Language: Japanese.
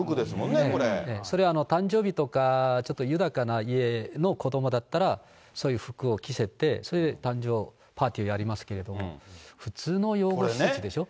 それ、誕生日とか、ちょっと豊かな家の子どもだったら、そういう服を着せて、それで誕生パーティーをやりますけれども、普通の養護施設でしょ。